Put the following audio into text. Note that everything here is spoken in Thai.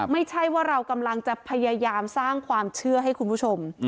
ไม่ใช่ว่าเรากำลังจะพยายามสร้างความเชื่อให้คุณผู้ชม